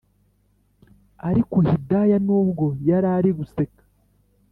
ariko hidaya nubwo yarari guseka